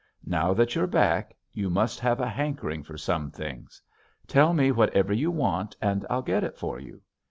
Now that you're back you must have a hankering for some things. Tell me whatever you want and I'll get it for you."